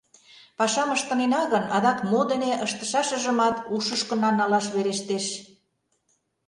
Пашам ыштынена гын, адак мо дене ыштышашыжымат ушышкына налаш верештеш.